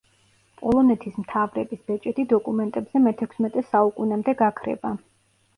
პოლონეთის მთავრების ბეჭედი დოკუმენტებზე მეთექვსმეტე საუკუნემდე გაქრება.